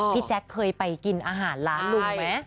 แจ๊คเคยไปกินอาหารร้านลุงไหม